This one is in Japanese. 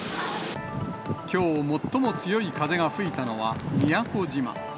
きょう最も強い風が吹いたのは宮古島。